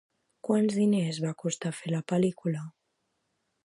Quants diners va costar fer la pel·lícula?